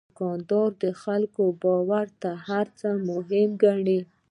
دوکاندار د خلکو باور تر هر څه مهم ګڼي.